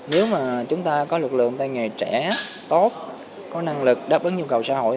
nếu mà chúng ta có lực lượng tay nghề trẻ tốt có năng lực đáp ứng nhu cầu xã hội